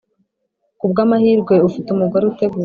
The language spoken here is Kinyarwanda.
kubwamahirwe ufite umugore uteguwe